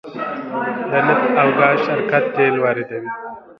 د نفت او ګاز شرکت تیل واردوي